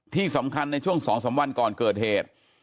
ที่สำคัญในช่วง๒๓วันก่อนเกิดเหตุ